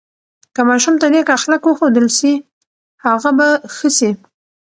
که ماشوم ته نیک اخلاق وښودل سي، هغه به ښه سي.